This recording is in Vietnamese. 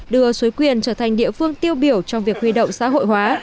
đưa xuối quyền trở thành địa phương tiêu biểu trong việc huy động xã hội hóa